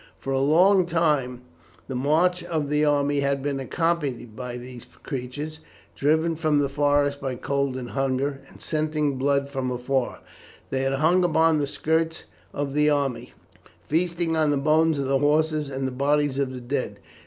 For a long time the march of the army had been accompanied by these creatures. Driven from the forest by cold and hunger, and scenting blood from afar, they had hung upon the skirts of the army, feasting on the bones of the horses and the bodies of the dead.